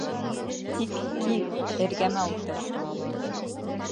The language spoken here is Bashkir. Тик кил, эргәмә ултыр.